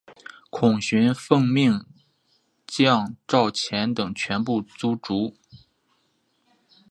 孔循奉命将赵虔等全部族诛。